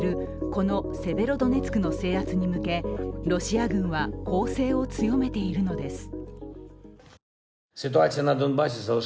このセベロドネツクの制圧に向けロシア軍は攻勢を強めているのです。